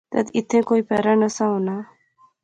تد ایتھیں کوئی پہرہ نہسا ہونا